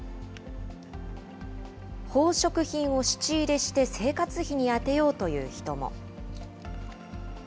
宝飾品を質入れして、生活費に充てようという人も。